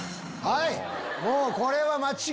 はい。